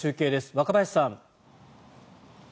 若林さん。